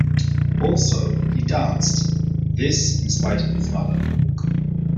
Also he danced — this in spite of his mother.